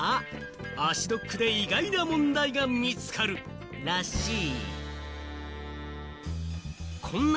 足ドックで意外な問題が見つかるらしい。